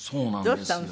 どうしたの？